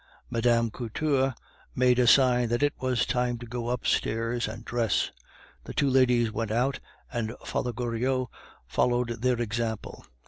Mme. Couture made a sign that it was time to go upstairs and dress; the two ladies went out, and Father Goriot followed their example.